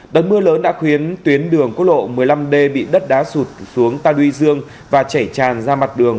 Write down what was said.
đất mưa lớn đã khuyến tuyến đường cốt lộ một mươi năm d bị đất đá sụt xuống ta duy dương và chảy tràn ra mặt đường